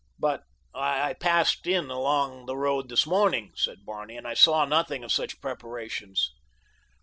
"But I passed in along the road this morning," said Barney, "and saw nothing of such preparations."